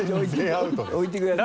置いてください。